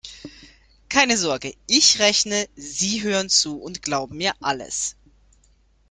Keine Sorge: Ich rechne, Sie hören zu und glauben mir alles.